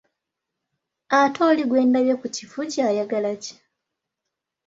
Ate oli gwe ndabye ku kifugi ayagala ki?